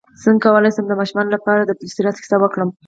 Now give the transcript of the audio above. څنګه کولی شم د ماشومانو لپاره د پل صراط کیسه وکړم